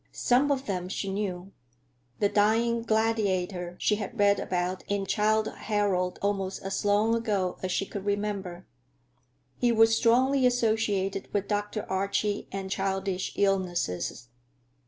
Some of them she knew; the Dying Gladiator she had read about in "Childe Harold" almost as long ago as she could remember; he was strongly associated with Dr. Archie and childish illnesses.